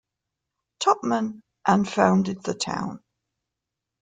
Tupman and founded the town.